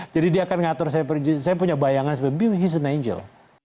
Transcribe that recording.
jadi dia akan ngatur saya punya bayangan he's an angel